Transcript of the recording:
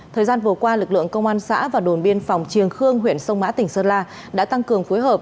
thời gian vừa qua lực lượng công an xã và đồn biên phòng triềng khương huyện sông mã tỉnh sơn la đã tăng cường phối hợp